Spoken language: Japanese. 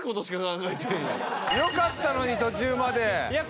よかったのに途中まで。